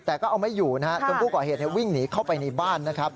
แต่ก็เอาไว้อยู่ต้องผู้ก่อเหตุฦิงหนีเข้าไปในบ้าน